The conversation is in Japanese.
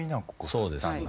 そうですよ。